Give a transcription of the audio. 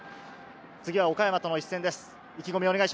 次は岡山との一戦です。